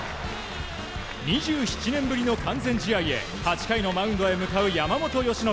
２７年ぶりの完全試合へ８回のマウンドへ向かう山本由伸。